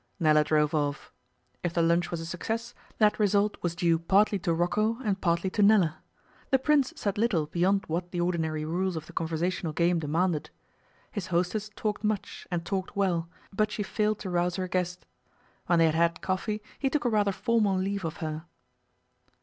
Nella drove off. If the lunch was a success that result was due partly to Rocco, and partly to Nella. The Prince said little beyond what the ordinary rules of the conversational game demanded. His hostess talked much and talked well, but she failed to rouse her guest. When they had had coffee he took a rather formal leave of her.